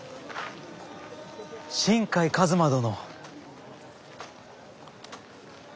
・新海一馬殿。